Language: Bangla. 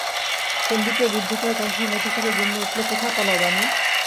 সন্দীপের রুদ্ধপ্রায় কণ্ঠের মধ্যে থেকে গুমরে উঠল, কোথায় পালাও রানী?